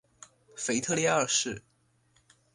腓特烈二世。